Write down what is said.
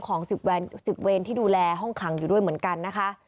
ของ๑๐เวรที่ดูแลห้องขังอยู่ด้วยเหมือนกันนะคะ